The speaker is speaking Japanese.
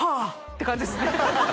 って感じですね